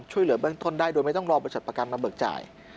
ช่วยเหลือเบื้องต้นได้โดยไม่ต้องรอบริษัทประกันมาเบิกจ่าย